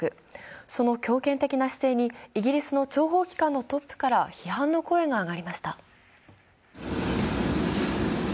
その強権的な姿勢にイギリスの諜報機関のトップから批判の声が上がりました。